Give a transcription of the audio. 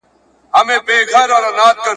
ناخبره له خزانه نڅېدلای !.